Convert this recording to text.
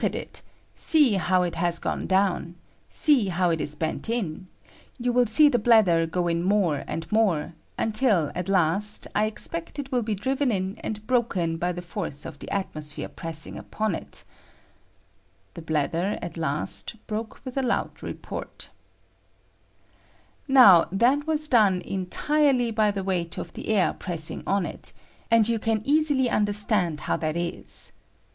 at it ; see how it has gone down ; see how it is bent in ; you will see the bladder go in more and more, until, at last, I expect it will be driven in and broken by the force of the at mosphere pressing upon it [the bladder, at last, broke with a loud report] . Now that was done entirely by the weight of the air pressing on it, and you can easily understand how that is.